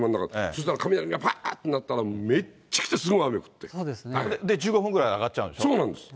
そうしたら雷がばーんと鳴ったら、めっちゃくちゃすごい雨が降って１５分ぐらいで上がっちゃうそうなんです。